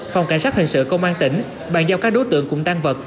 phòng cảnh sát hình sự công an tỉnh bàn giao các đối tượng cùng tan vật